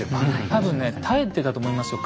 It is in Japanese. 多分ね絶えてたと思いますよ